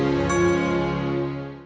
aku mau ke rumah